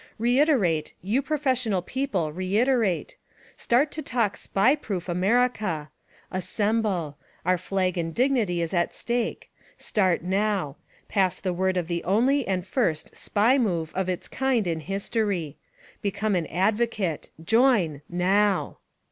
Reiterate, 3^ou professional people, reiterate! Start to talk SPY proof America. Assemble ! Our flag and dignity is at stake : Start now ! Pass the word of the only and first SPY MOVE of its kind in history: Become an advocate, join — NOW!